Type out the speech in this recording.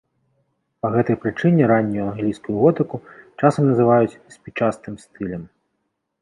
Па гэтай прычыне раннюю англійскую готыку часам называюць спічастым стылем.